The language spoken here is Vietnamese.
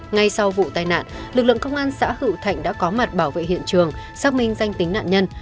ngay sau vụ tai nạn lực lượng công an xã hữu thạnh đã có mặt bảo vệ hiện trường xác minh danh tính nạn nhân